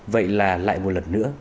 vậy là lại một lần nữa